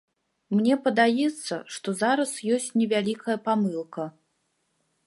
Мне падаецца, што зараз ёсць невялікая памылка.